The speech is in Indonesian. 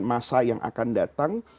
masa yang akan datang